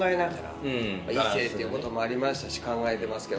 異性ということもありましたし考えてますけど。